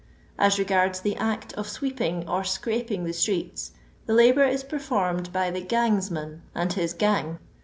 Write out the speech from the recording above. As regards the act of sweeping or scraping the streets, the labour is performed by the (jangaman and his gang.